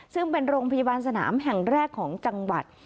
ซึ่งเป็นโรงพยาบาลสนามแห่งแรกของจังหวัด